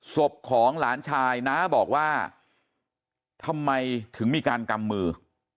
ศพของหลานชายน้าบอกว่าทำไมถึงมีการกำมือ